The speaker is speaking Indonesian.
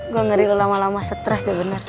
gue ngeri lo lama lama stress ya bener